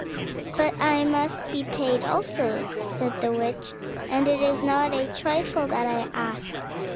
"But I must be paid also," said the witch, "and it is not a trifle that I ask.